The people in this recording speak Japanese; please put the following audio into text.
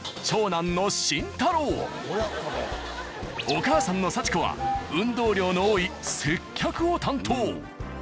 お母さんの幸子は運動量の多い接客を担当。